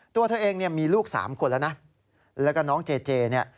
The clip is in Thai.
ตัวเธอเองมีลูก๓คนและน้องเจเจ